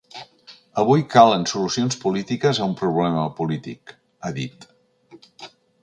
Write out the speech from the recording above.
Avui calen solucions polítiques a un problema polític, ha dit.